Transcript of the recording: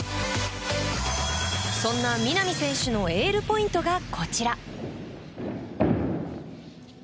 そんな南選手のエールポイントがこちら。